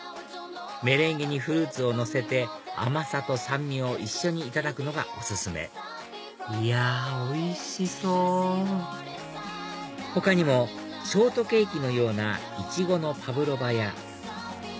メレンゲにフルーツをのせて甘さと酸味を一緒にいただくのがお勧めいやおいしそう他にもショートケーキのようなイチゴのパブロバや季節限定のリンゴと塩キャラメルナッツなど